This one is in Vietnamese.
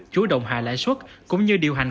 chú động hạ lãi suất cũng như điều hành